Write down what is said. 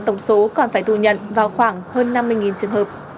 tổng số còn phải thu nhận vào khoảng hơn năm mươi trường hợp